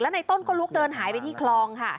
ในต้นก็ลุกเดินหายไปที่คลองค่ะ